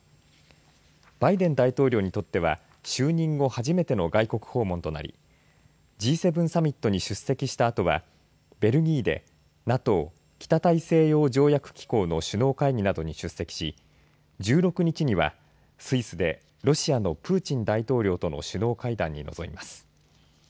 バイデン大統領にとっては就任後初めての外国訪問となりＧ７サミットに出席したあとはベルギーでＮＡＴＯ北大西洋条約機構の首脳会議などに出席し１６日にはスイスでロシアのプーチン大統領との首脳会談に臨みます。